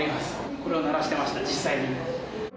これを鳴らしてました、実際に。